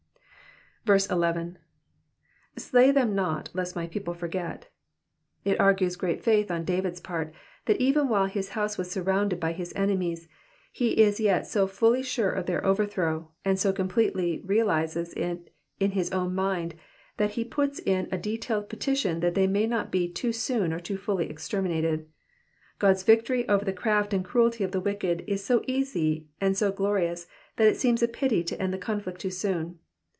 11. "5^y ikem not, lest my people forget. '*'' It argues great faith on David's art, that even while his house was surrounded by his enemies he is yet so fully sure of their overthrow, and so completely realises it in his own mind, that he puts in a detailed petition that they may not be too soon or too fully extermi nated. God's victory over the craft and cruelty of the wicked is so easy and so glorious that it seems a pity to end the conflict too soon.